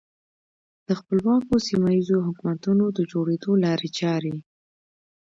د خپلواکو سیمه ییزو حکومتونو د جوړېدو لارې چارې.